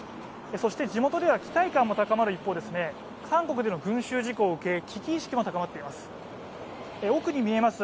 地元では期待感も高まる一方、韓国での群集事故を受け、危機意識も高まっています。